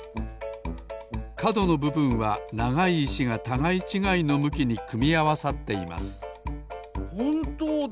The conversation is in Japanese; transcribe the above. かどのぶぶんはながいいしがたがいちがいのむきにくみあわさっていますほんとうだ。